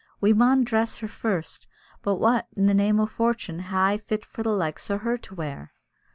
"We maun dress her first; but what, in the name o' fortune, hae I fit for the likes o' her to wear?"